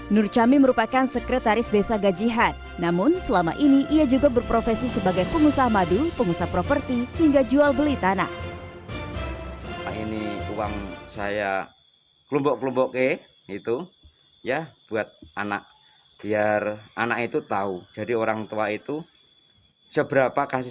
nur camin merupakan sekretaris desa gajihan namun selama ini ia juga berprofesi sebagai pengusaha madu pengusaha properti hingga jual beli tanah